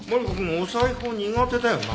お裁縫苦手だよな？